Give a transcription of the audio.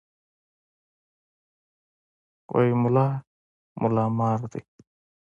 وې ملا ملا مار دی.